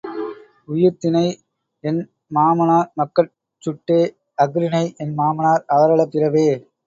உயர்திணை என்மனார் மக்கட் சுட்டே அஃறிணை என்மனார் அவரல பிறவே